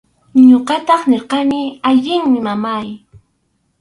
Ñuqataq nirqani: allinmi, mamáy.